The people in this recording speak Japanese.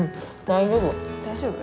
大丈夫？